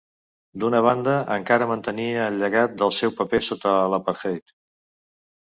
D'una banda, encara mantenia el llegat del seu paper sota l'apartheid.